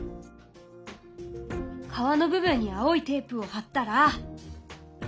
川の部分に青いテープを貼ったら。